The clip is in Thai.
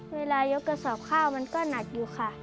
เวลายกกระสอบข้าวมันก็หนักอยู่ค่ะ